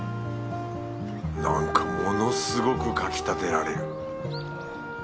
なんかものすごくかきたてられる。